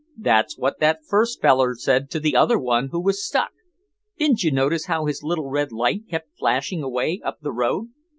That's what that first feller said to the other one who was stuck. Didn't you notice how his little red light kept flashing away up the road?